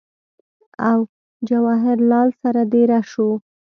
او جواهر لال سره دېره شو